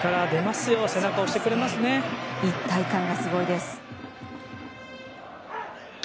一体感がすごいです。